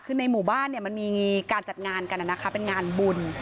คือในหมู่บ้านมันมีการจัดงานกันนะคะเป็นงานบุญ